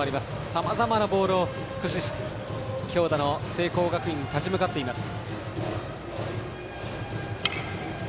さまざまなボールを駆使して強打の聖光学院に立ち向かっています。